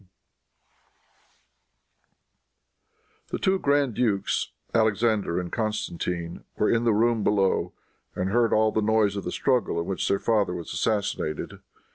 The two grand dukes, Alexander and Constantine, were in the room below, and heard all the noise of the struggle in which their father was assassinated.